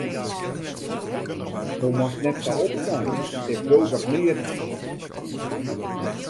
Do moatst net sa opsnije, ik leau der neat fan.